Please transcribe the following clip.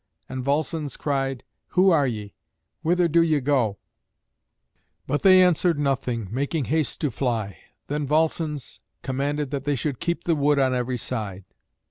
And Volscens cried, "Who are ye? Whither do ye go?" [Illustration: NISUS AND EURYALUS.] But they answered nothing, making haste to fly. Then Volscens commanded that they should keep the wood on every side.